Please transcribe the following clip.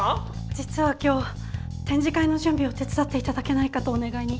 実は今日展示会の準備を手伝って頂けないかとお願いに。